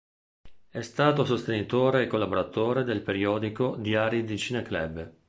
È stato sostenitore e collaboratore del periodico Diari di Cineclub.